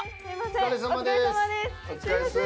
お疲れさまです。